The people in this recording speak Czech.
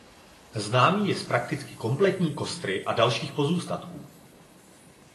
Známý je z prakticky kompletní kostry a dalších pozůstatků.